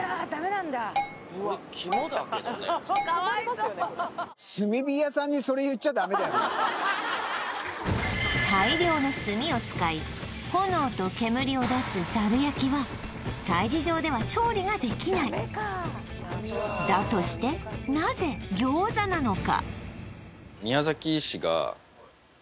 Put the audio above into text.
そこにはそれ大量の炭を使い炎と煙を出すざる焼は催事場では調理ができないだとしてなぜ餃子なのか？